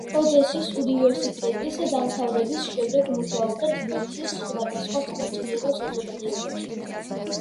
ოდესის უნივერსიტეტის დამთავრების შემდეგ მუშაობდა თბილისის სხვადასხვა სამეცნიერო საზოგადოებაში.